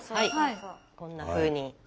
こんなふうに。